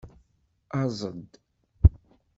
Aẓ-d.